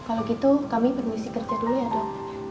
kalau gitu kami bermisi kerja dulu ya dok